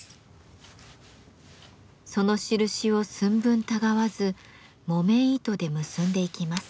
その印を寸分たがわず木綿糸で結んでいきます。